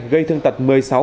gây thương tật một mươi sáu